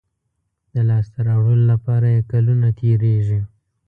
د لاسته راوړلو لپاره یې کلونه تېرېږي.